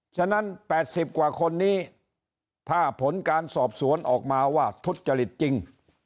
ฉะนั้น๘๐กว่าคนนี้ถ้าผลการสอบสวนออกมาว่าทุจริตจริง